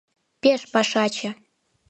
Пеш пашаче!